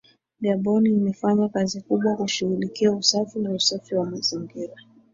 Gabon imefanya kazi kubwa kushughulikia usafi na usafi wa mazingira